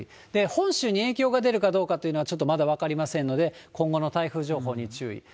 本州に影響が出るかどうかっていうのはちょっとまだ分かりませんので、今後の台風情報に注意。